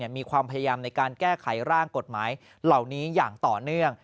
มีความพยายามในการแก้ไขร่างกฎหมายเหล่านี้อย่างต่อเนื่อง